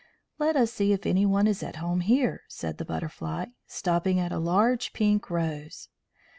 "Let us see if anyone is at home here," said the Butterfly, stopping at a large pink rose.